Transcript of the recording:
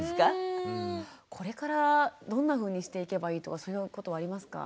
これからどんなふうにしていけばいいとかそういうことはありますか？